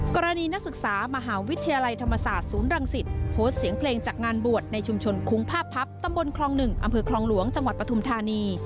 นักศึกษามหาวิทยาลัยธรรมศาสตร์ศูนย์รังสิตโพสต์เสียงเพลงจากงานบวชในชุมชนคุ้งภาพพับตำบลคลอง๑อำเภอคลองหลวงจังหวัดปฐุมธานี